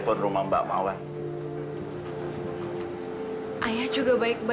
berarti sama dengan pusing pusing